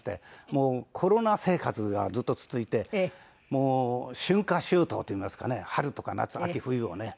もうコロナ生活がずっと続いてもう春夏秋冬といいますかね春とか夏秋冬をね